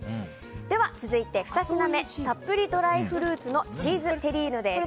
では、続いて２品目たっぷりドライフルーツのチーズテリーヌです。